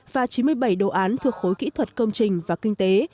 và chín mươi bảy đồ án thuộc khối kỹ thuật công trình và kinh tế